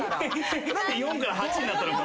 何で４から８になったのか。